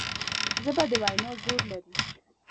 ژبه د وینا زور لري